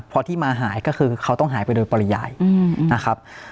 พอที่มาหายก็คือเขาต้องหายไปโดยปริยายนะครับ